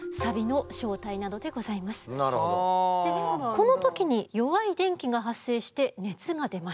この時に弱い電気が発生して熱が出ます。